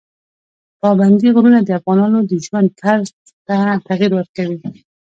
پابندي غرونه د افغانانو د ژوند طرز ته تغیر ورکوي.